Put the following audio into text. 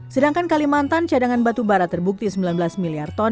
sedangkan kalimantan cadangan batubara terbukti sembilan belas miliar ton